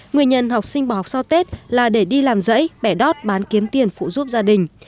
nguyên nhân học sinh bỏ học sau tết là để đi làm dãy bẻ đót bán kiếm tiền phụ giúp gia đình